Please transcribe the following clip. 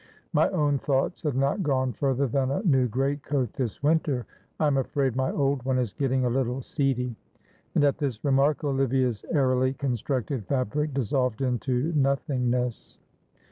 My own thoughts had not gone further than a new greatcoat this winter. I am afraid my old one is getting a little seedy." And at this remark, Olivia's airily constructed fabric dissolved into nothingness.